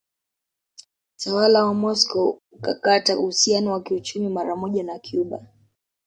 Utawala wa Moscow ukakata uhusiano wa kiuchumi maramoja na Cuba